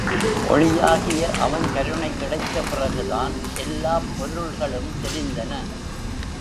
ஒளியாகிய அவன் கருணை கிடைத்த பிறகுதான் எல்லாப் பொருள்களும் தெரிந்தன.